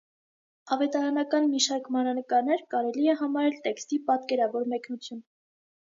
Ավետարանական մի շարք մանրանկարներ կարելի է համարել տեքստի պատկերավոր մեկնություն։